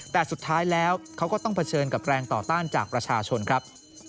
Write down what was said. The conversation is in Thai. แต่สุดท้ายแล้วเขาก็ต้องเผชิญกับแรงต่อต้านจากประชาชนครับ